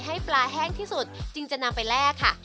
ให้ปลาแห้งที่สุดจึงจะนำไปแลกค่ะ